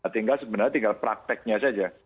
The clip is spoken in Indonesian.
tinggal sebenarnya tinggal prakteknya saja